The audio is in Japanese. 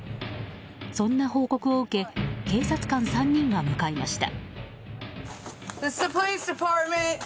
そんな報告を受け警察官３人が向かいました。